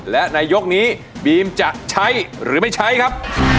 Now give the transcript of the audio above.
และในยกนี้บีมจะใช้หรือไม่ใช้ครับ